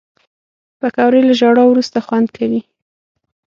پکورې له ژړا وروسته خوند کوي